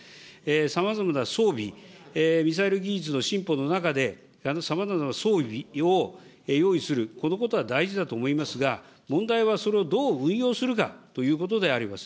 さまざまな装備、ミサイル技術の進歩の中で、さまざまな装備を用意する、このことは大事だと思いますが、問題は、それをどう運用するかということであります。